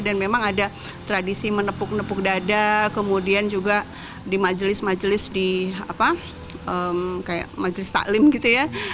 dan memang ada tradisi menepuk nepuk dada kemudian juga di majelis majelis di majelis taklim gitu ya